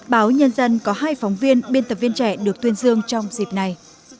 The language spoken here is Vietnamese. báo nhân dân có hai phóng viên biên tập viên trẻ được tuyên dương trong dịp này